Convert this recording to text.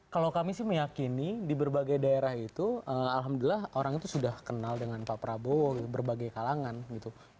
kalau kami sih meyakini di berbagai daerah itu alhamdulillah orang itu sudah kenal dengan pak prabowo berbagai kalangan gitu